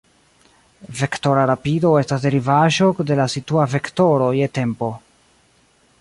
Vektora rapido estas derivaĵo de la situa vektoro je tempo.